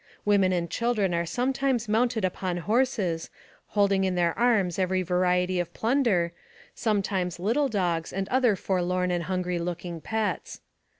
"Women and children are sometimes mounted upon horses, holding in their arms every variety of plunder, sometimes little dogs and other forlorn and hungry looking pets.